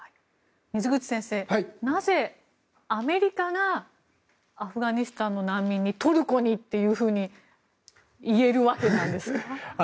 水口先生、なぜアメリカがアフガニスタンの難民にトルコにと言えるわけなんですか？